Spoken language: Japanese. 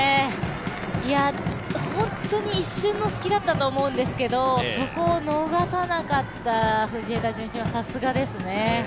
本当に一瞬の隙だったと思うんですけど、そこを逃さなかった藤枝順心はさすがですね。